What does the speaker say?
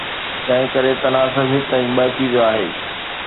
تنهن ڪري، تناسب هڪ ۽ ٻه ٿي ويو آهي.